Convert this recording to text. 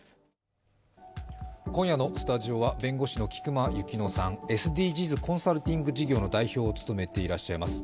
今夜のスタジオは弁護士の菊間千乃さん、ＳＤＧｓコンサルティング事業の代表を務めていらっしゃいます